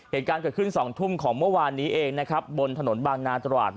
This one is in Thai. เหตุการณ์เกิดขึ้น๒ทุ่มของเมื่อวานนี้เองนะครับบนถนนบางนาตราด